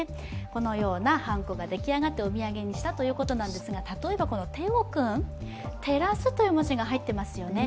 このようなはんこができ上がったお土産にしたということですが、例えばテオ君、灯という文字が入っていますよね。